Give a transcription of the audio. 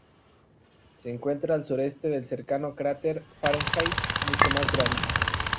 Se encuentra al sureste del cercano cráter Fahrenheit, mucho más grande.